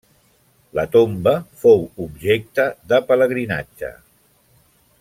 La tomba fou objecte de pelegrinatge.